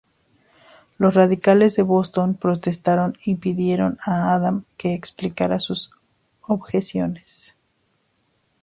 Los radicales de Boston protestaron y pidieron a Adams que explicara sus objeciones.